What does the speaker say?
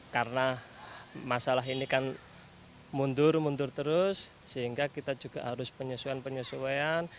karena masalah ini kan mundur mundur terus sehingga kita juga harus penyesuaian penyesuaian